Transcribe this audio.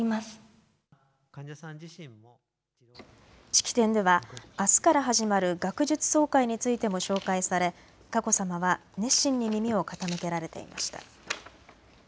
式典ではあすから始まる学術総会についても紹介され佳子さまは熱心に耳を傾けられていました。